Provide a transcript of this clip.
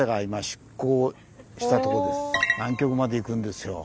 南極まで行くんですよ。